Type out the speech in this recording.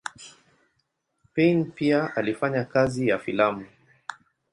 Payn pia alifanya kazi ya filamu.